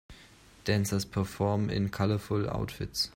Dancers perform in colorful outfits.